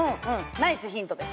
ナイスヒントです。